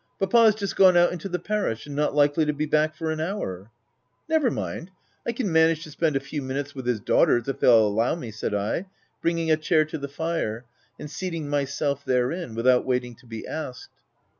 M Papa*s just gone out into the parish, and not likely to be back for an hour !"" Never mind ; I can manage to spend a few minutes with his daughters, if they'll allow me/' said I, bringing a chair to the fire, and seating myself therein, without waiting to be asked.